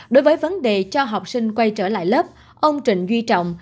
đối với vấn đề cho học sinh quay trở lại lớp ông trịnh duy trọng